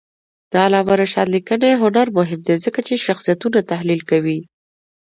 د علامه رشاد لیکنی هنر مهم دی ځکه چې شخصیتونه تحلیل کوي.